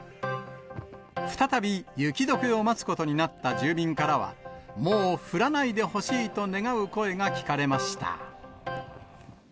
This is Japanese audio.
再び雪どけを待つことになった住民からは、もう降らないでほしいと願う声が聞かれました。